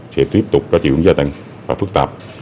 sẽ tiếp tục có triệu gia tăng và phức tạp